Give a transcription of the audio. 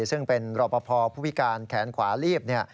ซึ่งเป็นรอปภผู้พิการแขนขวาลีบ